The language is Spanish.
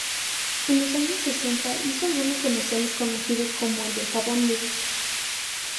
En los años sesenta hizo algunos comerciales conocidos como el del jabón Lux.